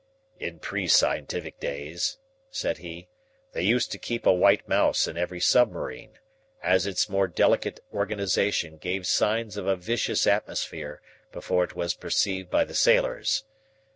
"In pre scientific days," said he, "they used to keep a white mouse in every submarine, as its more delicate organization gave signs of a vicious atmosphere before it was perceived by the sailors.